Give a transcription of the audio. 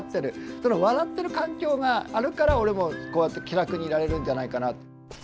その笑ってる環境があるから俺もこうやって気楽にいられるんじゃないかな。